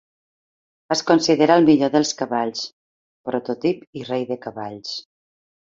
Es considera el millor dels cavalls, prototip i rei de cavalls.